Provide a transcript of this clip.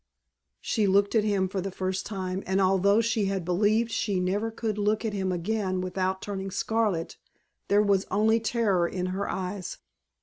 She looked at him for the first time, and although she had believed she never could look at him again without turning scarlet, there was only terror in her eyes.